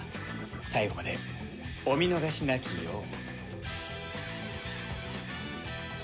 最後までお見逃しなきよう。